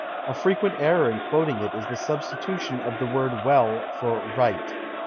A frequent error in quoting it is the substitution of the word well for right.